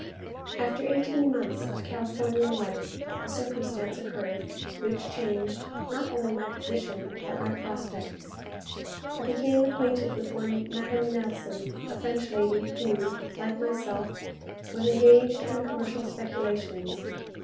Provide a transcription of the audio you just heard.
After eighteen months of Californian life, a circumstance occurred, which changed, not only my position, but my prospects. I became acquainted with one Madame Nelson, a French lady who, like myself, was engaged in commercial speculations.